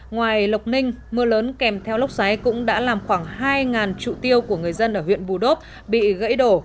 ngoài lộc ninh mưa lớn kèm theo lốc xoáy cũng đã làm khoảng hai trụ tiêu của người dân ở huyện bù đốp bị gãy đổ